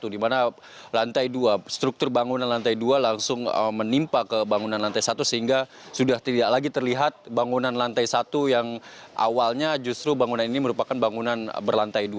di mana lantai dua struktur bangunan lantai dua langsung menimpa ke bangunan lantai satu sehingga sudah tidak lagi terlihat bangunan lantai satu yang awalnya justru bangunan ini merupakan bangunan berlantai dua